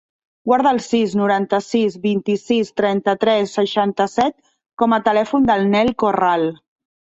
Guarda el sis, noranta-sis, vint-i-sis, trenta-tres, seixanta-set com a telèfon del Nel Corral.